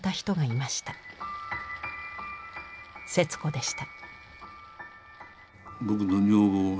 節子でした。